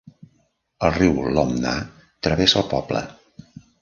El riu Lomná travessa el poble.